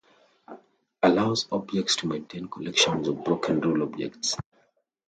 Allows objects to maintain collections of "broken rule" objects.